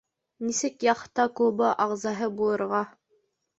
Нисек яхта клубы ағзаһы булырға?